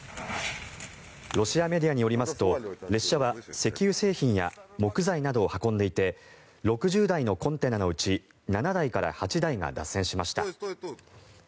ロシアメディアによりますと列車は石油製品や木材などを運んでいて６０台のコンテナのうち７台から８台が脱線しました。